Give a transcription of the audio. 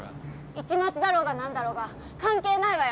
市松だろうが何だろうが関係ないわよ。